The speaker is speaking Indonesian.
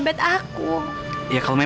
agar dia pulang ajar